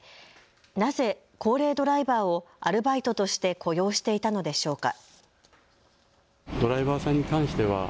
なぜ高齢ドライバーをアルバイトとして雇用していたのでしょうか。